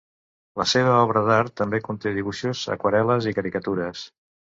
La seva obra d'art també conté dibuixos, aquarel·les i caricatures.